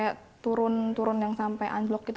kita nggak pernah turun turun yang sampai unblock gitu